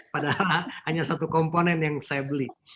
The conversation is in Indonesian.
padahal hanya satu komponen yang saya beli